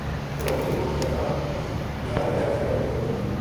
بڑاوائی پوہچ گیا رات اُت گزار کے اگلے دھیاڑے ڈیرو پَٹیو